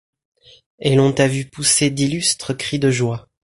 Et l'on t'a vu pousser d'illustres cris de joie